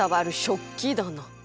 食器だな。